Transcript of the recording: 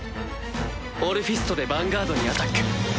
オルフィストでヴァンガードにアタック！